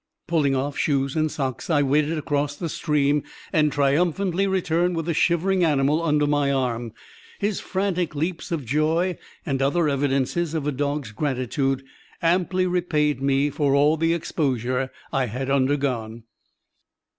Pulling off shoes and socks, I waded across the stream and triumphantly returned with the shivering animal under my arm. His frantic leaps of joy and other evidences of a dog's gratitude amply repaid me for all the exposure I had undergone."